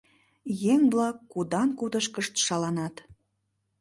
Еҥ-влак кудан-кудышкышт шаланат.